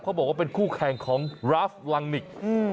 บอกว่าเป็นคู่แข่งของราฟลังนิก